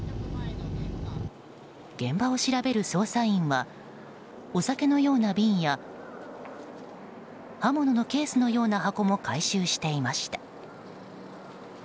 現場を調べる捜査員はお酒のような瓶や刃物のケースのような箱も回収していました。